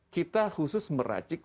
kita khusus meracik